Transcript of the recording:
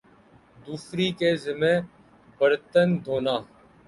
دوسری کے ذمہ برتن دھونا